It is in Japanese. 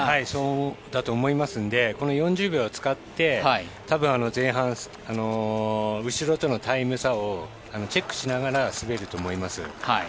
そうだと思いますので４０秒を使って多分、前半後ろとのタイム差をチェックしながら滑ると思います。